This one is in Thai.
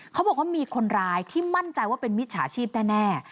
เขาบอกว่ามีคนร้ายที่มั่นใจว่าเป็นมิจฉาชีพแน่